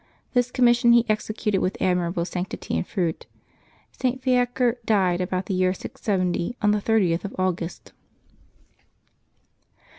This commission he executed with admirable sanctity and fruit. St. Fiaker died about the year 670, on the 30th of August.